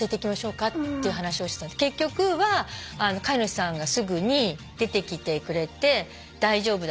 結局は飼い主さんがすぐに出てきてくれて大丈夫。